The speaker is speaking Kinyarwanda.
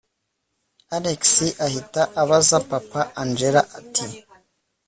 alex ahita abaza papa angella ati